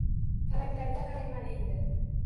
Falaklarga qarayman endi